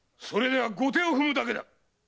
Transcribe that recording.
それでは後手を踏むだけだ！